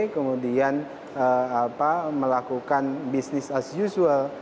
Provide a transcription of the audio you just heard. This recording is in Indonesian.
kemudian melakukan business as usual